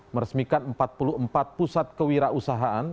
meresmikan empat puluh empat pusat kewirausahaan